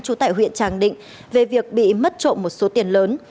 trú tại huyện tràng định về việc bị mất trộm một số tiền lớn